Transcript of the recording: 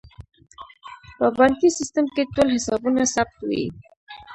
په بانکي سیستم کې ټول حسابونه ثبت وي.